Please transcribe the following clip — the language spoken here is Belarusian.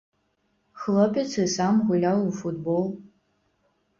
Хлопец і сам гуляў у футбол.